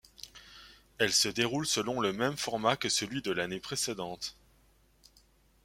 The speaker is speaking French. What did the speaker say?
Elle se déroule selon le même format que celui de l'année précédente.